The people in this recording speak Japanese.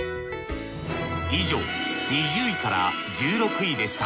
以上２０位から１６位でした。